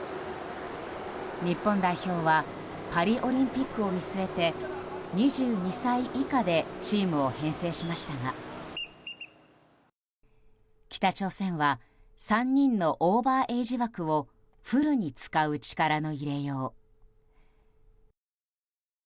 日本代表はパリオリンピックを見据えて２２歳以下でチームを編成しましたが北朝鮮は３人のオーバーエージ枠をフルに使う力の入れよう。